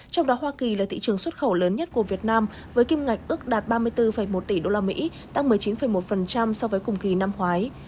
trong đó hoa kỳ là thị trường xuất khẩu lớn nhất của việt nam với kim ngạch ước đạt ba mươi bốn một tỷ usd tăng một mươi chín một so với cùng kỳ năm ngoái